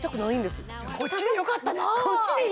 じゃこっちでよかったな？